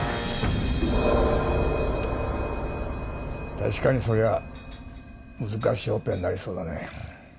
たしかにそれは難しいオペになりそうだね